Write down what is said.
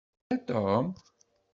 Yella Tom?